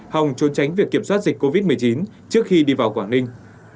hòng trốn tránh việc kiểm soát dịch covid một mươi chín trước khi đi vào quảng ninh